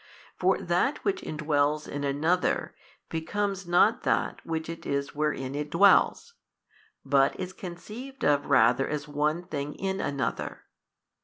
For that which indwells in another, becomes not that which it is wherein it dwells; but is conceived of rather as one thing in another.